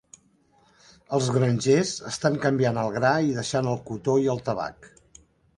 Els grangers estan canviant al gra i deixant el cotó i el tabac.